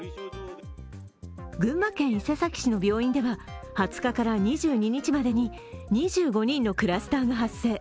群馬県伊勢崎市の病院では、２０日から２２日までに２５人のクラスターが発生。